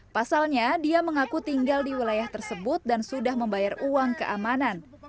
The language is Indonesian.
pasalnya dia mengaku tinggal di wilayah tersebut dan sudah membayar uang keamanan